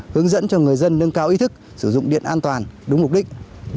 hướng dẫn cho người dân nâng cao ý thức sử dụng điện an toàn đúng mục đích